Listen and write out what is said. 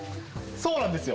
そうなんですよ。